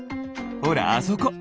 ほらあそこ。